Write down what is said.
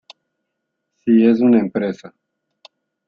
Si es una empresa.